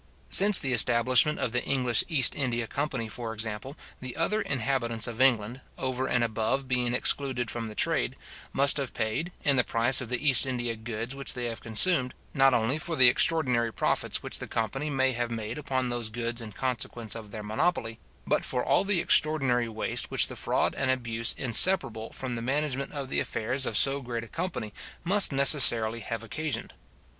Since the establishment of the English East India company, for example, the other inhabitants of England, over and above being excluded from the trade, must have paid, in the price of the East India goods which they have consumed, not only for all the extraordinary profits which the company may have made upon those goods in consequence of their monopoly, but for all the extraordinary waste which the fraud and abuse inseparable from the management of the affairs of so great a company must necessarily have occasioned.